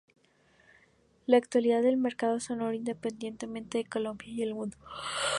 La actualidad del mercado sonoro independiente de Colombia y el mundo.